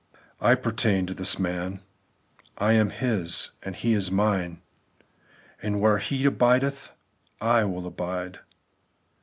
I pertain to this man ; I am His, and He is mine, and where He abideth I will abide.